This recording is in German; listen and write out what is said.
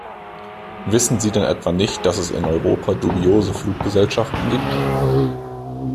Wissen Sie denn etwa nicht, dass es in Europa dubiose Fluggesellschaften gibt?